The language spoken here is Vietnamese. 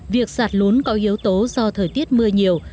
việc sạt lún có yếu tố do thời tiết mưa nhiều